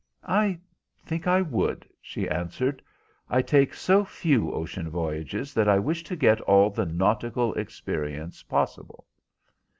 "I think I would," she answered. "I take so few ocean voyages that I wish to get all the nautical experiences possible."